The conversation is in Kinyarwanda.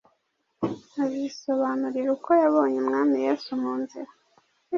azisobanurira uko yabonye Umwami Yesu mu nzira,